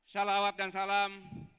salawat dan salam